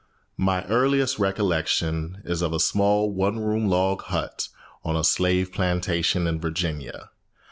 My earliest recollection is of a small one room log hut on a slave plantation in Virginia.